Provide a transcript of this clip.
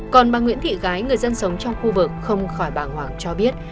còn bà nguyễn thị gái người dân sống trong khu vực không khỏi bàng hoàng cho biết